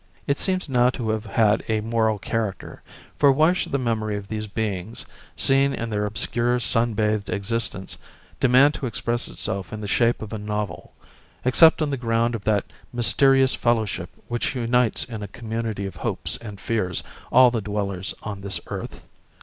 It seems now to have had a moral character, for why should the memory of these beings, seen in their obscure sun bathed existence, demand to express itself in the shape of a novel, except on the ground of that mysterious fellowship which unites in a community of hopes and fears all the dwellers on this earth?